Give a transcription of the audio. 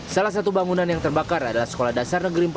salah satu bangunan yang terbakar adalah sekolah dasar negeri empat puluh